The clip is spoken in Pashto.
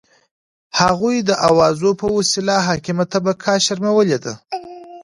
هغوی د اوازو په وسیله حاکمه طبقه شرمولي ده.